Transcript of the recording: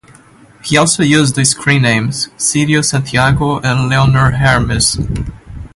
He also uses the screen names: Cirio Santiago and Leonard Hermes.